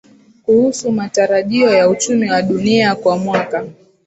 kuhusu matarajio ya uchumi wa dunia kwa mwaka